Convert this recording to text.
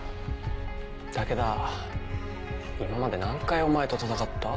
今まで何回お前と戦った？